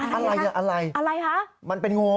อะไรนะอะไรห๊ะมันเป็นงู